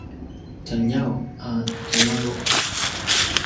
djaljaw a tjaladruq